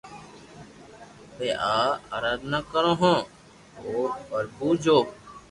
اپي آ اردنا ڪرو ھون او پرڀو جو